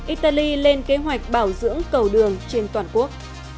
italy lên kế hoạch bảo dưỡng cầu đường trên toàn quốc